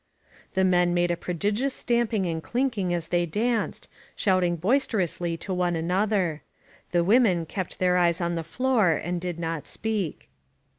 The men made a prodigious stamping and clinking as they danced, shouting boisterously to one another. The women kept their eyes on the floor and did not speak.